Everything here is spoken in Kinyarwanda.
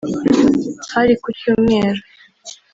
Hari ku Cyumweru